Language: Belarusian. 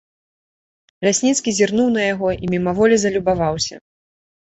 Лясніцкі зірнуў на яго і мімаволі залюбаваўся.